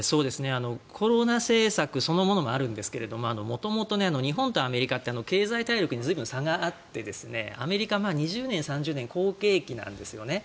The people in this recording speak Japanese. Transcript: コロナ政策そのものもあるんですが元々、日本とアメリカって経済体力に随分差があってアメリカは２０年、３０年好景気なんですよね。